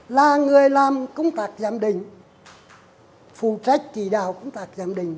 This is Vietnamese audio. là người làm công tác giám định phụ trách chỉ đạo công tác giám định